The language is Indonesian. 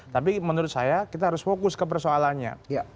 tapi menurut saya kita harus fokus ke persoalannya